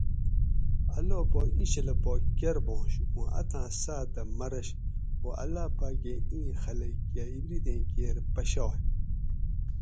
اللّٰہ پاک ایں چھلہ پا کرۤ باۤنش اوں اتھاں ساتہ مرَش خو اللّٰہ پاکہ ایں خلق کہ عِبریتیں کیر پشائ